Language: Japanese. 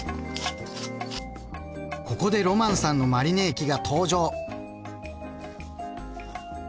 ここでロマンさんのマリネ液が登場。